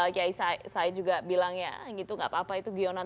kiai said juga bilang ya gitu gak apa apa itu gionan